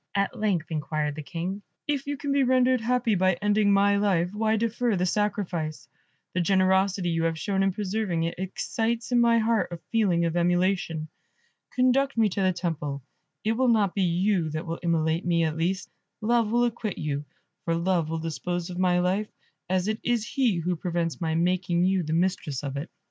at length inquired the King. "If you can be rendered happy by ending my life, why defer the sacrifice? The generosity you have shown in preserving it, excites in my heart a feeling of emulation. Conduct me to the temple, it will not be you that will immolate me, at least; Love will acquit you, for Love will dispose of my life, as it is he who prevents my making you the mistress of it."